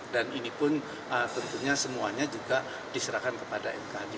dan ini pun tentunya semuanya juga diserahkan kepada mkd